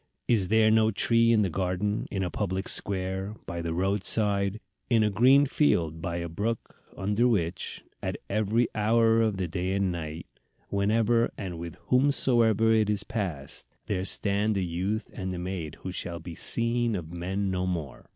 Is there no tree in the garden, in a public square, by the road side, in a green field by a brook, under which, at every hour of the day and night, whenever and with whomsoever it is passed, there stand a youth and maid who shall be seen of men no more.